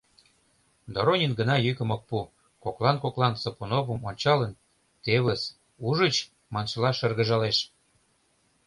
Доронин гына йӱкым ок пу, коклан-коклан Сапуновым ончалын, «тевыс, ужыч?» маншыла шыргыжалеш.